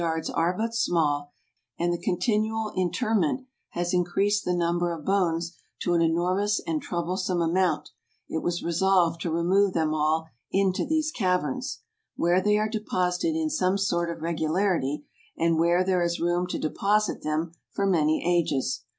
irds are but small, and the continual interment has increased the number of bones to an enormous and trouble¬ some amount, it was resolved to remove them all into these caverns; where they are deposited in some sort of regularity, and where there is room to deposit them for many ages.